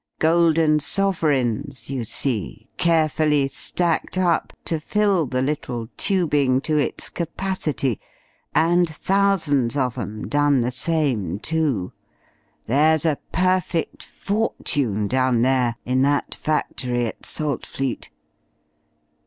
Golden sovereigns, you see, carefully stacked up to fill the little tubing to its capacity and thousands of 'em done the same, too! There's a perfect fortune down there in that factory at Saltfleet!